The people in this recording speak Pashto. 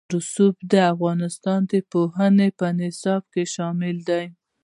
رسوب د افغانستان د پوهنې په نصاب کې شامل دي.